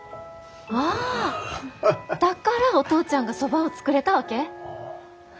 あだからお父ちゃんがそばを作れたわけ？